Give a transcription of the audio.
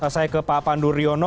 saya ke pak pandu riono